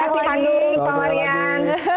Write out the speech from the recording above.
selamat ulang tahun pak marian